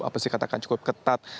apasih katakan cukup ketat